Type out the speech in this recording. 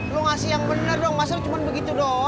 lo ngasih yang bener dong masa lo cuma begitu dong